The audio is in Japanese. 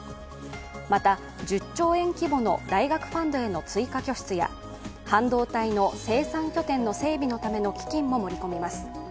また１０兆円規模の大学ファンドへの追加拠出や半導体の生産拠点の整備のための基金も盛り込みます。